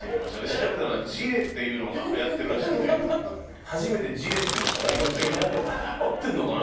調べたらジレっていうのがはやってるらしくて初めてジレっていうのを買ってみましたけど合ってんのかな？